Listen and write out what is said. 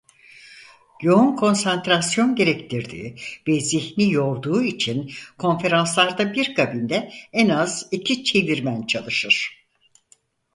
Yoğun konsantrasyon gerektirdiği ve zihni yorduğu için konferanslarda bir kabinde en az iki çevirmen çalışır.